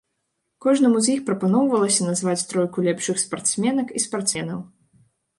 Кожнаму з іх прапаноўвалася назваць тройку лепшых спартсменак і спартсменаў.